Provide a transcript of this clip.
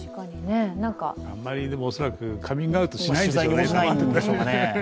恐らくカミングアウトしないでしょうね。